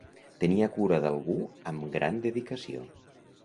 Tenia cura d'algú amb gran dedicació.